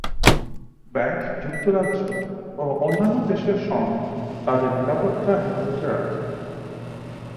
Bank যুক্তরাজ্য ও অন্যান্য অনেক দেশের স্বর্ণ তাদের নিরাপত্তা হেফাজতে রাখে।